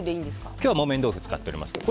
今日は木綿豆腐を使っております。